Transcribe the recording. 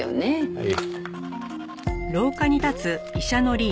はい？